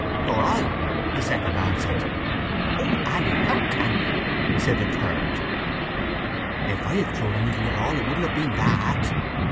"Nor I," the second answered. "Oh, Anny, how can you!" said the third. "If I had thrown anything at all, it shouldn't have been that!"